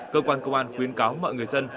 cơ quan công an khuyến cáo mọi người dân